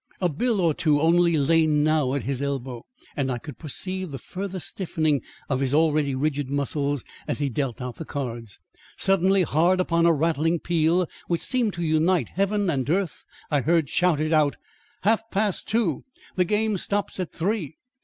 A bill or two only lay now at his elbow, and I could perceive the further stiffening of his already rigid muscles as he dealt out the cards. Suddenly hard upon a rattling peal which seemed to unite heaven and earth, I heard shouted out: "Half past two! The game stops at three."